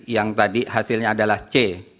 yang tadi hasilnya adalah c